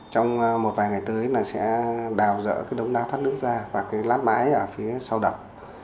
trong một vài ngày tới là sẽ đào dỡ cái đống đa thoát nước ra và cái lát mái ở phía sau đập